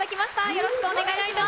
よろしくお願いします。